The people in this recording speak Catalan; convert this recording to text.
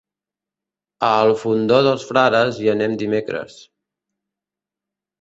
A el Fondó dels Frares hi anem dimecres.